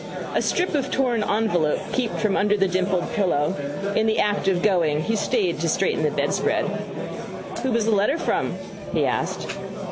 A strip of torn envelope peeped from under the dimpled pillow. In the act of going he stayed to straighten the bedspread. —Who was the letter from? he asked.